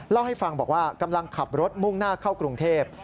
เล่าให้ฟังบอกว่ากำลังขับรถมุ่งหน้าเข้ากรุงเทพ